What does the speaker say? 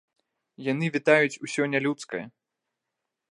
Яны вітаюць усё нялюдскае.